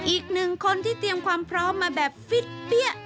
อีกหนึ่งคนที่เตรียมความพร้อมมาแบบฟิตเปี้ย